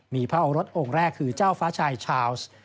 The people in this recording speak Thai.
มีพระโอรสองค์แรกคือเจ้าฟ้าชายชาวส์